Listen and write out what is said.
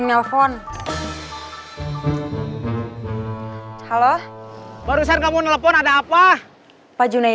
pak junedi barusan kamu nelfon